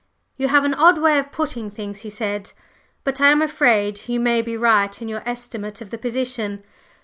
"You have an odd way of putting things," he said. "But I'm afraid you may be right in your estimate of the position.